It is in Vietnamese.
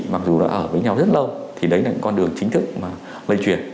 mặc dù nó ở với nhau rất lâu thì đấy là con đường chính thức mà lây truyền